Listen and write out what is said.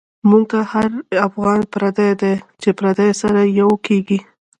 مونږ ته هر افغان پردۍ دۍ، چی پردی سره یو کیږی